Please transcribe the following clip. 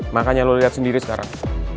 makanya lo lihat sendiri sekarang